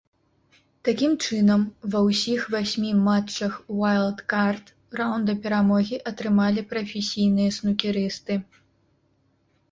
Такім чынам, ва ўсіх васьмі матчах уайлдкард раўнда перамогі атрымалі прафесійныя снукерысты.